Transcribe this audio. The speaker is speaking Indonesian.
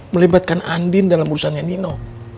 melibatkan andin dalam urusannya nino